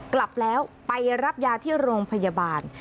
กลับแล้วไปรับยาที่โรงพยาบาล